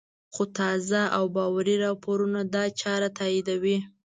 خو تازه او باوري راپورونه دا چاره تاییدوي